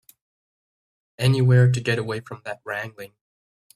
Anywhere to get away from that wrangling.